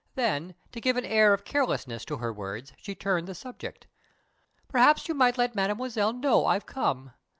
Then, to give an air of carelessness to her words, she turned the subject. "Perhaps you might let Mademoiselle know I've come.